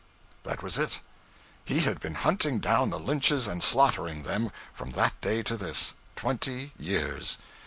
That was it. He had been hunting down the Lynches and slaughtering them, from that day to this twenty years.